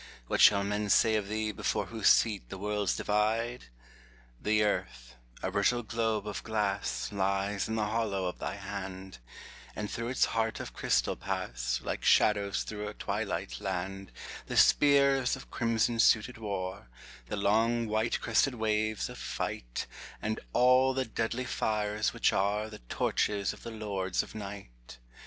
what shall men say of thee, Before whose feet the worlds divide ? The earth, a brittle globe of glass, Lies in the hollow of thy hand, And through its heart of crystal pass, Like shadows through a twilight land, The spears of crimson suited war, The long white crested waves of fight, And all the deadly fires which are The torches of the lords of Night.